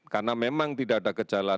karena memang tidak ada gejala